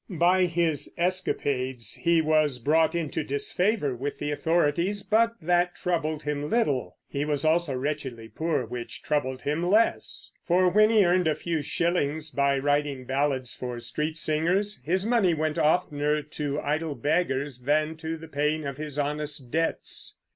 By his escapades he was brought into disfavor with the authorities, but that troubled him little. He was also wretchedly poor, which troubled him less; for when he earned a few shillings by writing ballads for street singers, his money went oftener to idle beggars than to the paying of his honest debts.